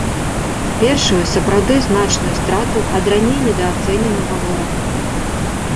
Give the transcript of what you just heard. Першую сапраўды значную страту ад раней недаацэненага ворага.